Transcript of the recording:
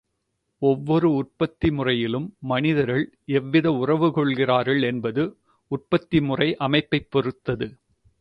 ஒவ்வொரு உற்பத்தி முறையிலும் மனிதர்கள் எவ்வித உறவு கொள்ளுகிறார்கள் என்பது உற்பத்திமுறை அமைப்பைப் பொறுத்தது.